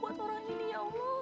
buat orang ini ya allah